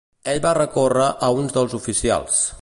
Ell va recórrer a un dels oficials.